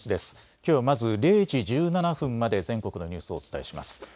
きょうはまず０時１７分まで全国のニュースをお伝えします。